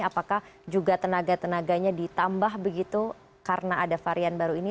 apakah juga tenaga tenaganya ditambah begitu karena ada varian baru ini